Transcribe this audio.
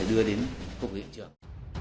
đưa đến công nghệ trường